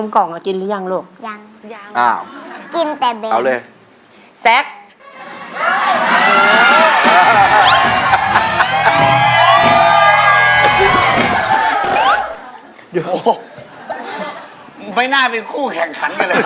กินยังลูก